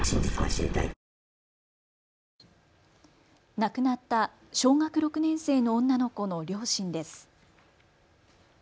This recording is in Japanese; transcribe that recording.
亡くなった小学６年生の女の子の両親です。